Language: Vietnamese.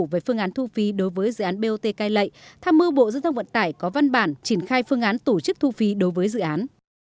về phương án thu phí đối với dự án bot cai lệ tham mưu bộ giao thông vận tải có văn bản triển khai phương án tổ chức thu phí đối với dự án